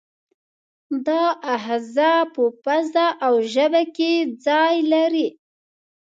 دا آخذه په پزه او ژبه کې ځای لري.